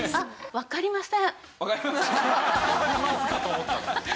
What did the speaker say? わかりました？